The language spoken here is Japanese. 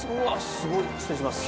すごい失礼します。